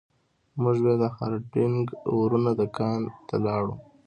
موږ بیا د هارډینګ ورونو دکان ته لاړو.